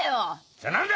じゃ何だ！